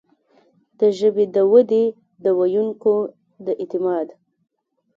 د ژبې د ودې، د ویونکو د اعتماد